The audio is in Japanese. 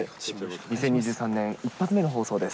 ２０２３年、一発目の放送です。